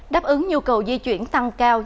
đáp ứng nhu cầu di chuyển tăng cao